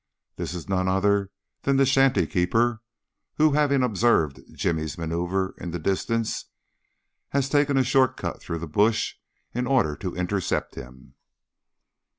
This is none other than the shanty keeper, who, having observed Jimmy's manoeuvre in the distance, has taken a short cut through the bush in order to intercept him.